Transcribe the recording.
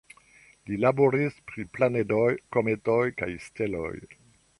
Li laboris pri planedoj, kometoj kaj steloj.